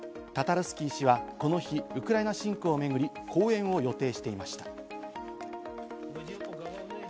タタルスキー氏はこの日、ウクライナ侵攻をめぐり講演を予定していました。